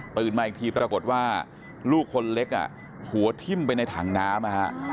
มาอีกทีปรากฏว่าลูกคนเล็กหัวทิ้มไปในถังน้ำ